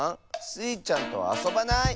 スイちゃんとはあそばない！